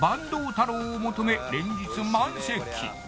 太郎を求め連日満席！